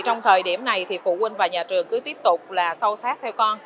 trong thời điểm này phụ huynh và nhà trường cứ tiếp tục sâu sát theo con